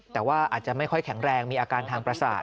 แต่ว่าอาจจะไม่ค่อยแข็งแรงมีอาการทางประสาท